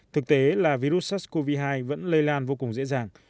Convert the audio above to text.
thực tế là virus sars cov hai vẫn lây lan vô cùng dễ dàng